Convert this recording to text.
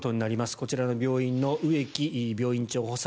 こちらの病院の植木病院長補佐